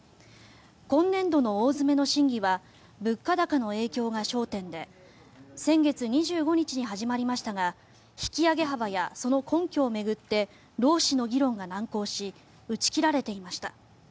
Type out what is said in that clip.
今年度の大詰めの審議は物価高の影響が焦点で先月２５日に始まりましたが引き上げ幅やその根拠を巡って労使の議論が難航し打ち切られていました。